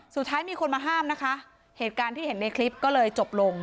สุดท้ายมีคนมาห้ามนะคะเหตุการณ์ที่เห็นในคลิปก็เลยจบลง